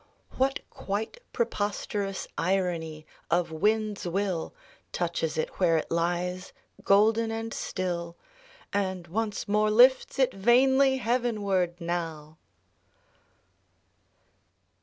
What quite preposterous irony of wind*s will Touches it where it lies, golden and still. And once more lifts it vainly heavenward now!